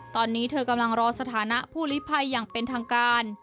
ตอนนี้เธอกำลังรอสถานะผู้ลิภัยอย่างเป็นทางการ